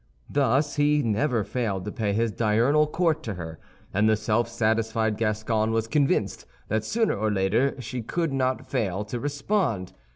Thus he never failed to pay his diurnal court to her; and the self satisfied Gascon was convinced that sooner or later she could not fail to respond.